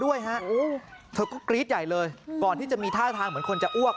ด้วยฮะเธอก็กรี๊ดใหญ่เลยก่อนที่จะมีท่าทางเหมือนคนจะอ้วก